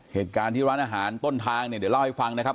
เหตุการณ์ที่ร้านอาหารต้นทางเนี่ยเดี๋ยวเล่าให้ฟังนะครับ